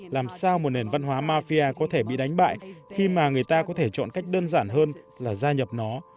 làm sao một nền văn hóa mafia có thể bị đánh bại khi mà người ta có thể chọn cách đơn giản hơn là gia nhập nó